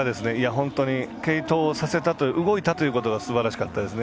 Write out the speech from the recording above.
本当に継投をさせた動いたというところがすばらしかったですね。